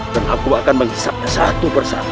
dan aku akan menghisapnya satu persatu